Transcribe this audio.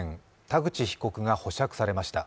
田口被告が保釈されました。